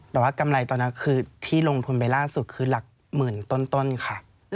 แต่ว่ากำไรตอนนั้นคือที่ลงทุนไปล่าสุดคือหลักหมื่นต้นค่ะ